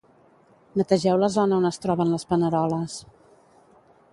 Netegeu la zona on es troben les paneroles.